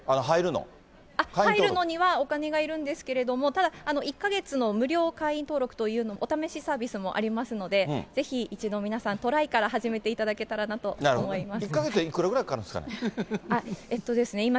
入るのにはお金がいるんですけども、ただ１か月の無料会員登録という、お試しサービスもありますので、ぜひ、一度皆さん、トライから始めていただけたらなと思います。